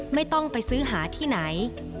ไม่ต้องไปซื้อหาที่ไหน